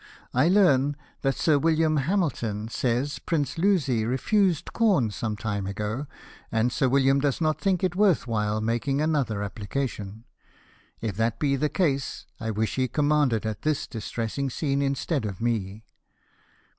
I learn that Sir William Hamilton says Prince Luzzi refused corn some time ago, and Sir William does not think it worth while making another application. If that be the case, I wish he commanded at this distressing scene instead of me.